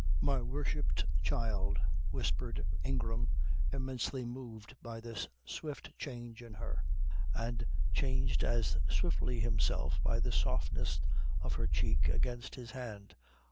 "My worshipped child," whispered Ingram, immensely moved by this swift change in her, and changed as swiftly himself by the softness of her cheek against his hand.